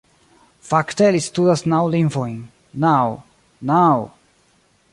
Fakte, li studas naŭ lingvojn naŭ? naŭ